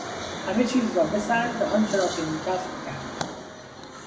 همه چیز را بسنج و آنچه را که نیک است نگهدار.